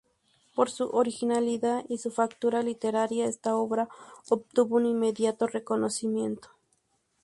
Por su originalidad y su factura literaria esta obra obtuvo un inmediato reconocimiento.